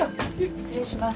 失礼します。